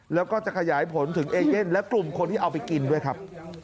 แล้วก็จะขยายผลถึงเอเย่นและกลุ่มคนที่เอาไปกินด้วยครับ